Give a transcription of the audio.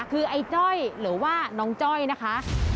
คือไอ้จ้อยหรือว่าน้องจ้อยนะคะ